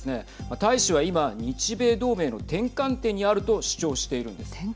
大使は今日米同盟の転換点にあると主張しているんです。